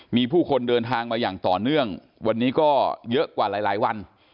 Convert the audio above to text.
มีผู้คนเดินทางมาอย่างต่อเนื่องวันนี้ก็เยอะกว่าหลายวัน